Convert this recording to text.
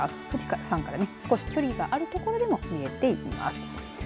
富士山から少し距離のある所からでも見えています。